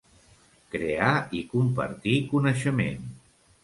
Crear i compartir coneixement.